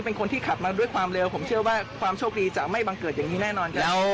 เป็นคนที่ขับมาด้วยความเร็วผมเชื่อว่าความโชคดีจะไม่บังเกิดอย่างนี้แน่นอนครับ